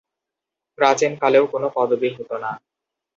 প্রাচীন কালে কোনও পদবী হতো না।